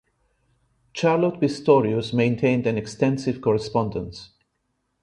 Charlotte Pistorius maintained an extensive correspondence.